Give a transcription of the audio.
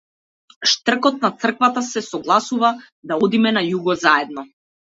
Штркот на црквата се согласува да одиме на југот заедно.